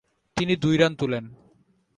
তিনি দুই রান তুলেন।